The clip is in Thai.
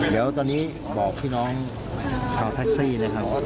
เดี๋ยวตอนนี้บอกพี่น้องชาวแท็กซี่เลยครับ